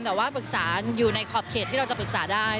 แต่ว่าปรึกษาอยู่ในขอบเขตที่เราจะปรึกษาได้